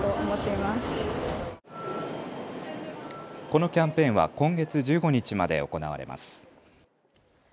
このキャンペーンは今月１５日まで行われます。